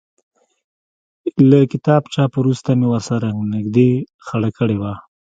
له کتاب چاپ وروسته مې ورسره نږدې خړه کړې وه.